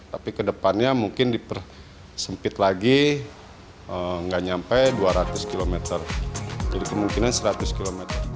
tapi kedepannya mungkin dipersempit lagi nggak nyampe dua ratus km jadi kemungkinan seratus km